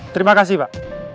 terima kasih pak